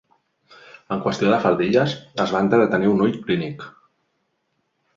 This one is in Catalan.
En qüestió de faldilles es vanta de tenir un ull clínic.